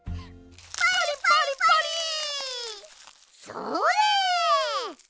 それ！